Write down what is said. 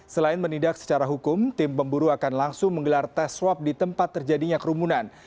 selain menindak secara hukum tim pemburu akan langsung menggelar tes swab di tempat terjadinya kerumunan